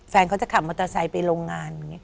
แฟนเขาจะขับมอเตอร์ไซค์ไปโรงงาน